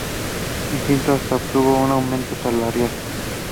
Insistió hasta que obtuvo un aumento salarial.